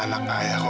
ini anak ayah kau